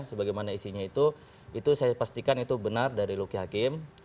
sebagaimana isinya itu itu saya pastikan itu benar dari luki hakim